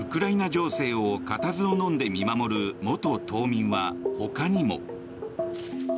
ウクライナ情勢をかたずをのんで見守る元島民はほかにも。